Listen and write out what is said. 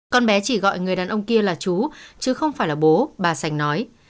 con bé chỉ gọi người đàn ông kia là chú chứ không phải là bố bà sành nói